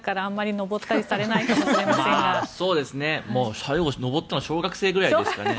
最後に登ったの小学生ぐらいですかね。